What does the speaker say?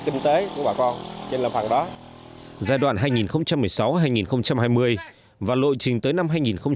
kinh tế của bà con trên lòng hàng đó giai đoạn hai nghìn một mươi sáu hai nghìn hai mươi và lộ trình tới năm hai nghìn hai mươi năm